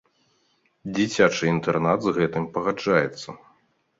Дзіцячы інтэрнат з гэтым пагаджаецца.